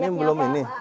ini yang belum ini